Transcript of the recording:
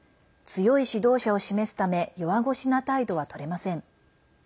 強い指導者を示すため弱腰な態度はとれません。